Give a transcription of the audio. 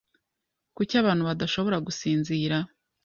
Kuki abantu badashobora gusinzira?